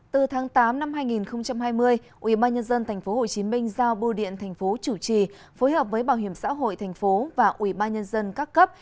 từ tháng tám năm hai nghìn hai mươi ubnd tp hcm giao bưu điện tp hcm phối hợp với bảo hiểm xã hội tp hcm và ubnd các cấp